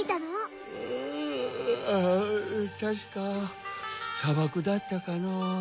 ふわあたしかさばくだったかのう。